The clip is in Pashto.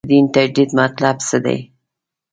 د دین تجدید مطلب څه دی.